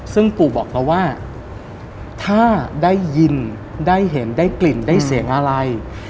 ซึ่งปู่บอกเราว่าถ้าได้ยินได้เห็นได้กลิ่นได้เสียงอะไร